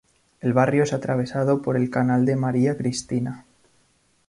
El barrio es atravesado por el Canal de María Cristina.